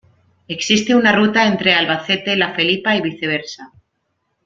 Existe una ruta entre Albacete-La Felipa y viceversa.